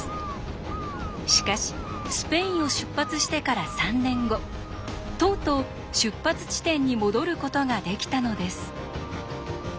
しかしスペインを出発してから３年後とうとう出発地点に戻ることができたのです。